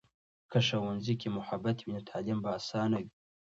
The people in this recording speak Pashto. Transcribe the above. که ښوونځي کې محبت وي، نو تعلیم به آسانه وي.